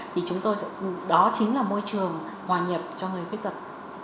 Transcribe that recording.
thì chúng tôi đó chính là môi trường hòa nhập cho người khuyết tật